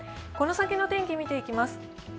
この先の天気を見ていきます。